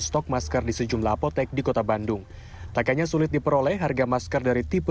stok masker di sejumlah apotek di kota bandung tak hanya sulit diperoleh harga masker dari tipe